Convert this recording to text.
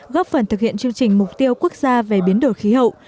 góp phần thực hiện chương trình mục tiêu quốc gia về biến đổi khí hậu